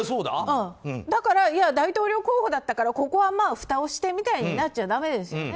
だから、大統領候補だったからここは、ふたをしてみたいになっちゃだめですよね。